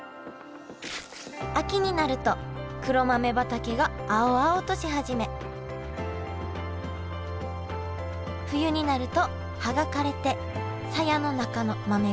秋になると黒豆畑が青々とし始め冬になると葉が枯れてさやの中の豆が黒く熟します。